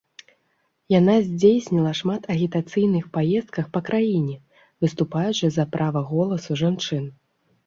Яна здзейсніла шмат агітацыйных паездках па краіне, выступаючы за права голасу жанчын.